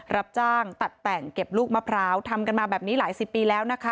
รับจ้างตัดแต่งเก็บลูกมะพร้าวทำกันมาแบบนี้หลายสิบปีแล้วนะคะ